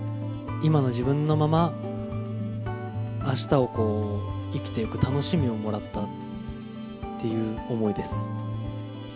今の自分のまま、あしたをこう生きていく楽しみをもらったっていう思いです。